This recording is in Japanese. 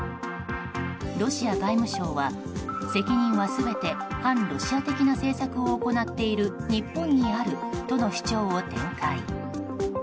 ロシア外務省は、責任は全て反ロシア的な政策を行っている日本にあるとの主張を展開。